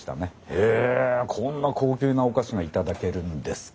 へえこんな高級なお菓子が頂けるんですか。